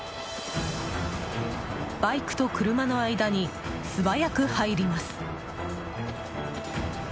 バイクと車の間に素早く入ります。